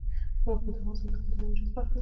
یاقوت د افغانستان د کلتوري میراث برخه ده.